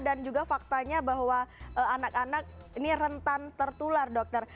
dan juga faktanya bahwa anak anak ini rentan tertular dokter